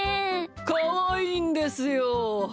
かわいいんですよ。